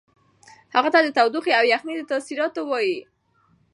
هغوی ته د تودوخې او یخنۍ د تاثیراتو وایئ.